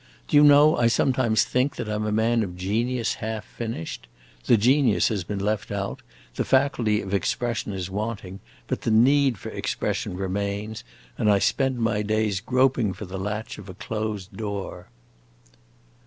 Do you know I sometimes think that I 'm a man of genius, half finished? The genius has been left out, the faculty of expression is wanting; but the need for expression remains, and I spend my days groping for the latch of a closed door."